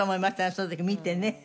その時見てね。